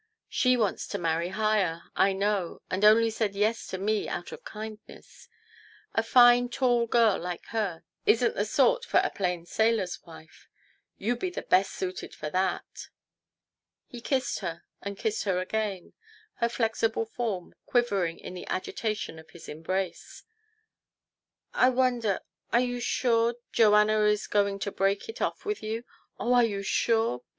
She wants to marry higher, I know, and only said ' Yes ' to me out of kindness. A fine, tall girl like her isn't the sort for a plain sailor's wife ; you be the best suited for that." He kissed her and kissed her again, her flexible form quivering in the agitation of his embrace. " I wonder are you sure Joanna is going to break off with you ? Oh, are you sure